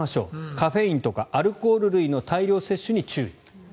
カフェインとかアルコール類の大量摂取に注意。